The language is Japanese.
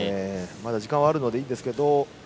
まだ時間はあるのでいいですけど。